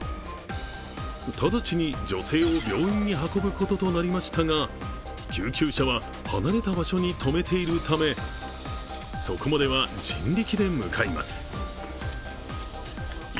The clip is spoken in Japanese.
直ちに女性を病院に運ぶこととなりましたが救急車は離れた場所に止めているためそこまでは人力で向かいます。